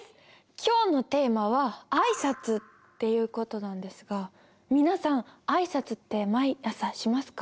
今日のテーマはあいさつっていう事なんですが皆さんあいさつって毎朝しますか？